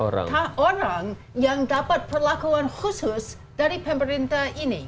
orang yang dapat perlakuan khusus dari pemerintah ini